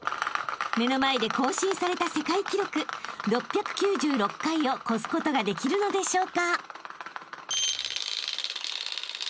［目の前で更新された世界記録６９６回を超すことができるのでしょうか？］